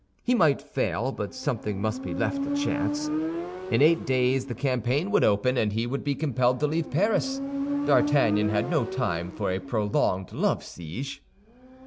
He might fail, but something must be left to chance. In eight days the campaign would open, and he would be compelled to leave Paris; D'Artagnan had no time for a prolonged love siege.